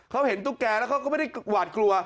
เขาเห็นตุ๊กแกแล้วเขาก็ไม่ได้หวาดกลัว